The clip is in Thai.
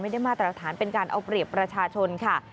ไม่ได้มาตรฐานเป็นการเอาเปรียบประชาชนค่ะ